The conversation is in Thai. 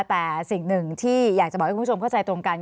แต่สิ่งหนึ่งที่อยากจะบอกให้คุณผู้ชมเข้าใจตรงกัน